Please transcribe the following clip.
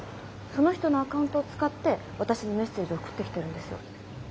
その人のアカウントを使って私にメッセージを送ってきてるんです。